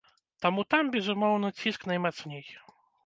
Таму там, безумоўна, ціск наймацней.